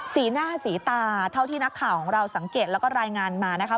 สีหน้าสีตาเท่าที่นักข่าวของเราสังเกตแล้วก็รายงานมานะคะ